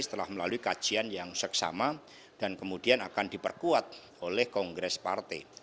setelah melalui kajian yang seksama dan kemudian akan diperkuat oleh kongres partai